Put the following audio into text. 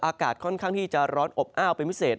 อากาศค่อนข้างที่จะร้อนอบอ้าวเป็นพิเศษ